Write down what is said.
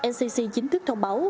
ncc chính thức thông báo